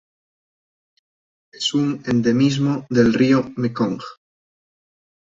Es un endemismo del río Mekong.